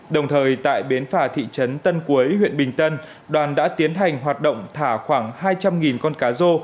đồng thời tại bến phà thị trấn tân cuối huyện bình tân đoàn đã tiến hành hoạt động thả khoảng hai trăm linh con cá rô